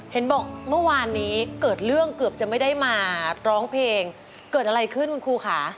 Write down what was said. เห็นบอกเมื่อวานนี้เกิดเรื่องเกือบจะไม่ได้มาร้องเพลงเกิดอะไรขึ้นคุณครูค่ะ